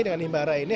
dengan himbara ini